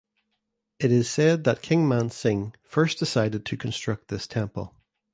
It is said that King Maan Singh first decided to construct this temple.